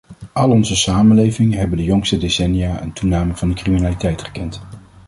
Al onze samenlevingen hebben de jongste decennia een toename van de criminaliteit gekend.